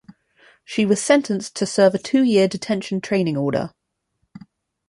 She was sentenced to serve a two-year detention training order.